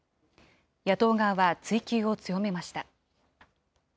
野党側は追及を強めました。